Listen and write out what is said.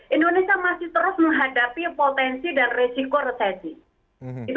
indonesia masih terus menghadapi potensi dan resiko resesi